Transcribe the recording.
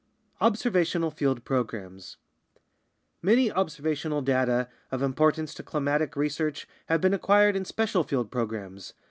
Observational Field Programs Many observational data of importance to climatic research have been acquired in special field programs.